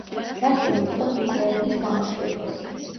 ჯასტინი იწყებს მკვლელობის გამოძიებას.